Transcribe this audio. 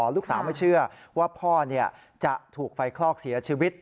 ลูกสาวไม่เชื่อว่าพ่อจะถูกไฟคลอกเสียชีวิต